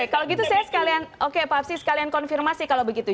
kalau gitu saya sekalian oke pak absi sekalian konfirmasi kalau begitu